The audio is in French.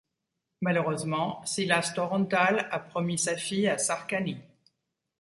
Malheureusement, Silas Toronthal a promis sa fille à Sarcany.